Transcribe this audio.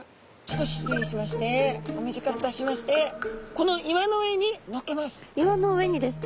ちょっと失礼しましてお水から出しましてこの岩の上に乗っけます。